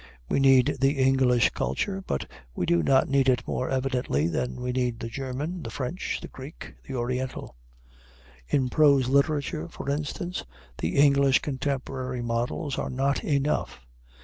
We need the English culture, but we do not need it more evidently than we need the German, the French, the Greek, the Oriental. In prose literature, for instance, the English contemporary models are not enough.